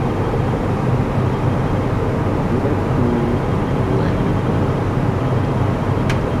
Mi byɛɛ koo li wɛɛ li puh.